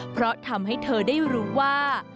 เพราะทำให้เธอได้รู้ว่า